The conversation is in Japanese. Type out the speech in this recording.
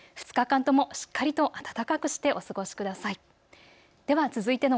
２日間ともしっかりと暖かくしてお過ごしください。